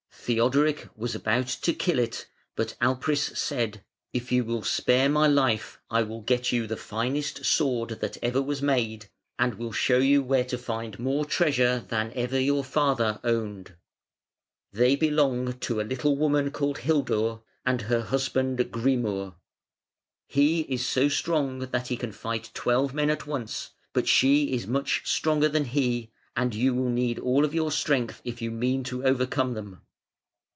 Theodoric was about to kill it, but Alpris said: "If you will spare my life I will get you the finest sword that ever was made, and will show you where to find more treasure than ever your father owned. They belong to a little woman called Hildur and her husband Grimur. He is so strong that he can fight twelve men at once, but she is much stronger than he, and you will need all your strength if you mean to overcome them".